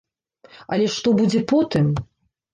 Але што будзе потым?